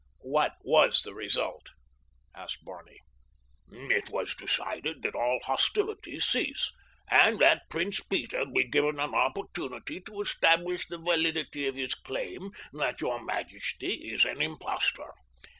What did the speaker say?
"What was the result?" asked Barney. "It was decided that all hostilities cease, and that Prince Peter be given an opportunity to establish the validity of his claim that your majesty is an impostor.